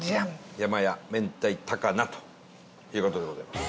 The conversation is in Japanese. やまや明太高菜という事でございます。